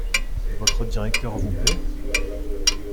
Votre directeur vous plait ?